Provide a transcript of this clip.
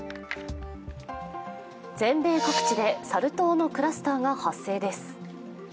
全米各地でサル痘のクラスターが発生です。